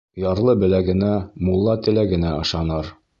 Ярлы беләгенә, мулла теләгенә ышаныр.